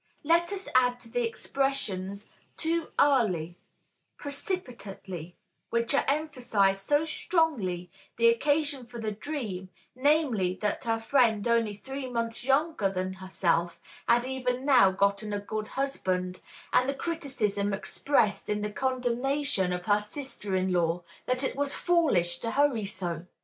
Let us add to the expressions "too early," "precipitately," which are emphasized so strongly, the occasion for the dream, namely, that her friend only three months younger than herself had even now gotten a good husband, and the criticism expressed in the condemnation of her sister in law, that it was foolish to hurry so.